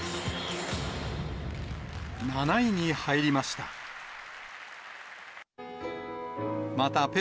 ７位に入りました。